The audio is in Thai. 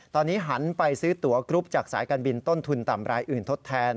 ตอนนี้หันไปซื้อตัวกรุ๊ปจากสายการบินต้นทุนต่ำรายอื่นทดแทน